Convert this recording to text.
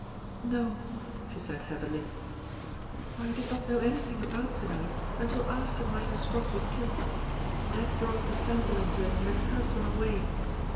"No," she said heavily. "I did not know anything about to night until after Miser Scroff was killed. That brought the Phantom into it in a personal way.